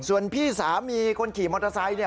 ส่วนพี่สามีคนขี่มอเตอร์ไซค์เนี่ย